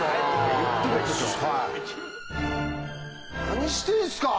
何してんすか！